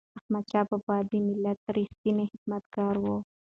احمدشاه بابا د ملت ریښتینی خدمتګار و.